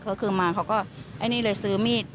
ก็คือมาเขาก็ไอ้นี่เลยซื้อมีด